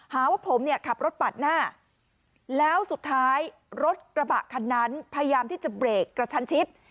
หาว่าผมเนี่ยขับรถปาดหน้าแล้วสุดท้ายรถกระบะคันนั้นพยายามที่จะเบรกกระชันชิด